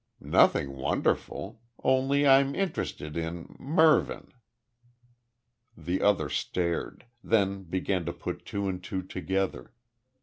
"Nothing wonderful. Only I'm interested in Mervyn." The other stared then began to put two and two together.